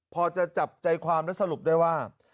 พอจะจับใจความและสรุปได้ว่า